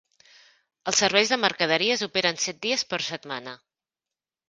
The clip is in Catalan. Els serveis de mercaderies operen set dies per setmana.